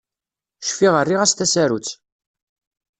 Cfiɣ rriɣ -as tasarut